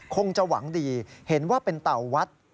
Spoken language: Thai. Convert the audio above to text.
คงจะหวังดีเห็นว่าเป็นเต่าวัด